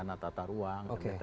dengan rencana tata ruang dengan dtr